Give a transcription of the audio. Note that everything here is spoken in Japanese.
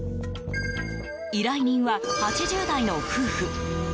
依頼人は８０代の夫婦。